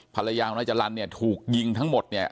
ภรรยาของนายจรรย์เนี่ยถูกยิงทั้งหมดเนี่ย